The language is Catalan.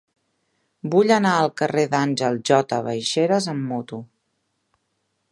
Vull anar al carrer d'Àngel J. Baixeras amb moto.